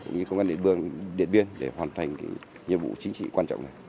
như công an điện biên để hoàn thành nhiệm vụ chính trị quan trọng này